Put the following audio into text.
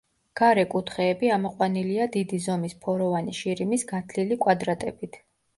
გარე კუთხეები ამოყვანილია დიდი ზომის ფოროვანი შირიმის გათლილი კვადრატებით.